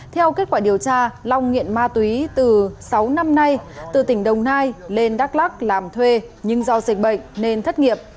theo kết quả điều tra long nghiện ma túy từ sáu năm nay từ tỉnh đồng nai lên đắk lắc làm thuê nhưng do dịch bệnh nên thất nghiệp